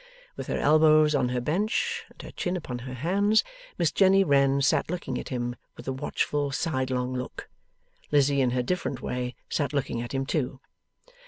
With her elbows on her bench, and her chin upon her hands, Miss Jenny Wren sat looking at him with a watchful sidelong look. Lizzie, in her different way, sat looking at him too.